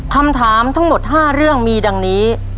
คำถามทั้งหมด๕เรื่องมีดังนี้